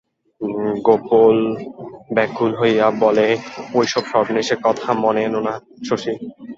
গোপল ব্যাকুল হইয়া বলে, ওসব সর্বনেশে কথা মনে এনো না শশী।